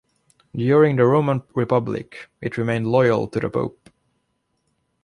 During the Roman Republic, it remained loyal to the Pope.